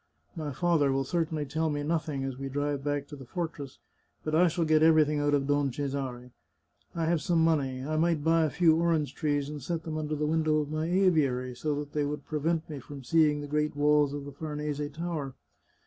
My father will certainly tell me nothing as we drive back to the fortress, but I shall get everything out of Don Cesare. I have some money. I might buy a few orange trees, and set them under the window of my aviary, so that they would prevent me from seeing the great walls of the Farnese Tower.